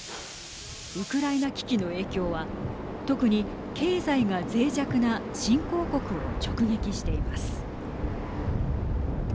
ウクライナ危機の影響は特に経済がぜい弱な新興国を直撃しています。